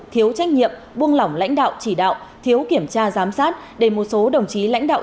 thiếu trách nhiệm buông lỏng lãnh đạo chỉ đạo thiếu kiểm tra giám sát để một số đồng chí lãnh đạo